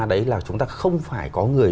đấy là chúng ta không phải có người